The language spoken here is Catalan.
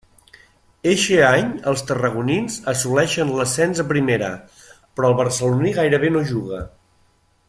Eixe any els tarragonins assoleixen l'ascens a Primera, però el barceloní gairebé no juga.